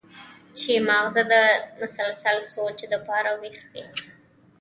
چې مازغه د مسلسل سوچ د پاره وېخ وي